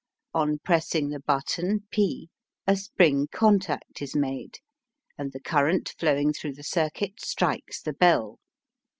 On pressing the button P, a spring contact is made, and the current flowing through the circuit strikes the bell.